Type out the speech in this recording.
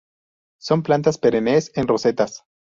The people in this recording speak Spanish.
Son plantas perennes en rosetas.